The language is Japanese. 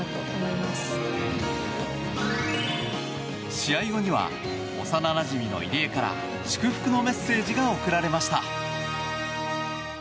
試合後には幼なじみの入江から祝福のメッセージが送られました。